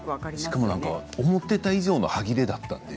しかも思っていた以上のはぎれだったので。